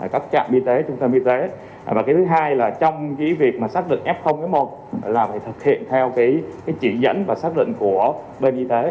các trạm y tế trung tâm y tế và thứ hai là trong việc xác định f một là phải thực hiện theo cái chỉ dẫn và xác định của bên y tế